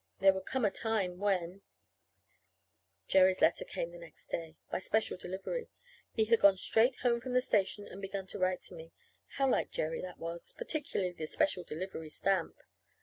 There would come a time when Jerry's letter came the next day by special delivery. He had gone straight home from the station and begun to write to me. (How like Jerry that was particularly the special delivery stamp!)